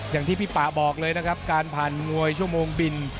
อย่างที่พี่ป่าบอกเลยนะครับการผ่านมวยชั่วโมงบิน